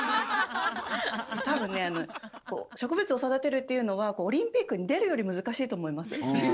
多分ね植物を育てるっていうのはオリンピックに出るより難しいと思います。